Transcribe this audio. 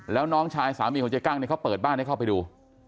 แล้วน้องชายสามีของเจ๊กั้งเนี่ยเขาเปิดบ้านให้เข้าไปดู